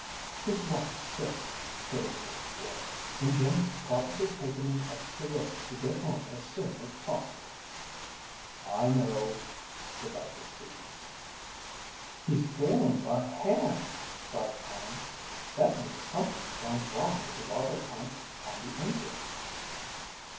"His wife's sick," put in Mrs. Blair, "and Jim's probably taken an extra risk to get home as soon as possible." "I know," said Doctor Stevens. "He's bailing by hand," cried Tom. "That means something has gone wrong with the water pump on the engine."